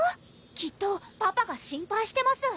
きっとパパが心配してます！